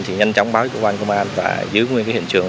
thì nhanh chóng báo cho công an công an và giữ nguyên cái hiện trường